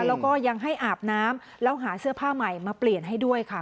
แล้วก็ยังให้อาบน้ำแล้วหาเสื้อผ้าใหม่มาเปลี่ยนให้ด้วยค่ะ